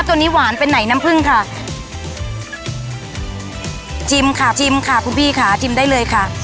ตัวนี้หวานเป็นไหนน้ำผึ้งค่ะชิมค่ะชิมค่ะคุณพี่ค่ะชิมได้เลยค่ะ